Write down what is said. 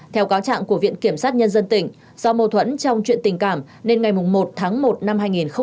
theo cáo trạng của viện kiểm sát nhân dân tỉnh do mâu thuẫn trong chuyện tình cảm nên ngày một tháng một năm hai nghìn một mươi chín